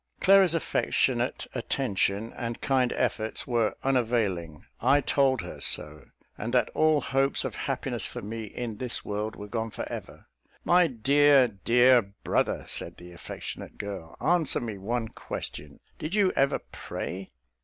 Clara's affectionate attention and kind efforts were unavailing. I told her so, and that all hopes of happiness for me in this world were gone for ever. "My dear, dear brother," said the affectionate girl, "answer me one question. Did you ever pray?"